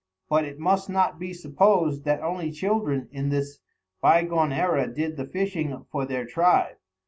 But it must not be supposed that only children in this by gone era did the fishing for their tribe.